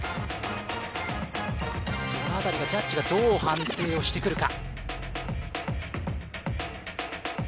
そのあたり、ジャッジがどう判定してくるか。